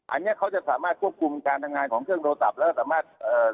อันนี้เขาจะสามารถควบคุมการทำงานของเครื่องโทรศัพท์แล้วสามารถเอ่อ